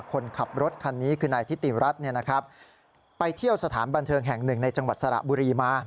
คนขับรถคันนี้คือนายทิติรัฐ